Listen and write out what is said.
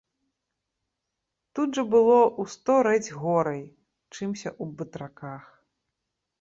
Тут жа было ў сто рэдзь горай, чымся ў батраках.